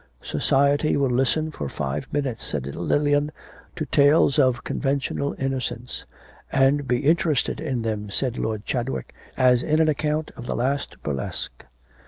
'Society will listen for five minutes,' said Lilian, 'to tales of conventual innocence.' 'And be interested in them,' said Lord Chadwick, 'as in an account of the last burlesque.'